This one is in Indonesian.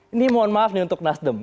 ini mohon maaf nih untuk nasdem